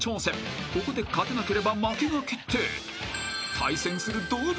［ここで勝てなければ負けが決定］